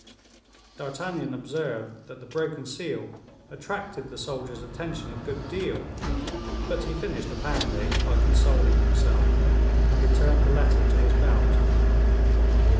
D'Artagnan observed that the broken seal attracted the soldier's attention a good deal, but he finished apparently by consoling himself, and returned the letter to his belt.